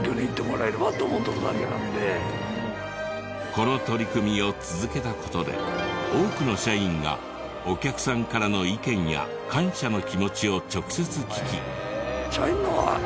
この取り組みを続けた事で多くの社員がお客さんからの意見や感謝の気持ちを直接聞き。